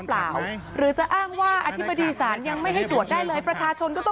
แล้วก็ไม่ยอมให้ตรวจไปดูคลิปกันก่อนนะคะ